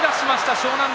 湘南乃